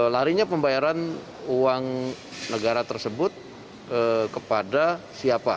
larinya pembayaran uang negara tersebut kepada siapa